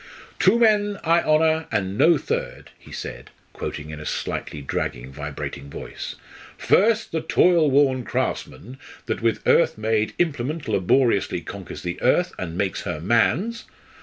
"'Two men I honour, and no third,'" he said, quoting in a slightly dragging, vibrating voice: "'_First, the toil worn craftsman that with earth made implement laboriously conquers the earth and makes her man's.